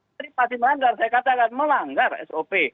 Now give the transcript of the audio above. jadi pasti melanggar saya kata kan melanggar sop